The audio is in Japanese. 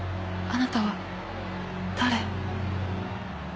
あなたは。